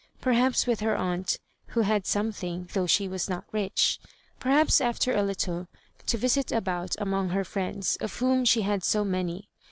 Perhaps with her aunt, who had something, though she was not rich ; perhaps, after a httle, to visit about among her friends, of whom she had so many.